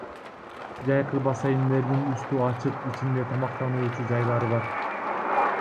Жайкы бассейндердин үстү ачык, ичинде тамактануучу жайлары бар.